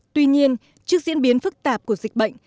tuy nhiên trước diễn biến phức tạp của dịch bệnh